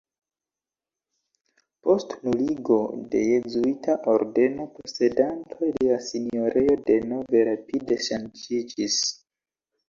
Post nuligo de jezuita ordeno posedantoj de la sinjorejo denove rapide ŝanĝiĝis.